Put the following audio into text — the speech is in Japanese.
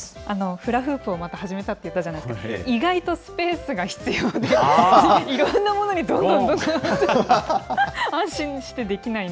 フラフープを、また始めたって言ったじゃないですか、意外とスペースが必要で、いろんなものにどんどんどんどん。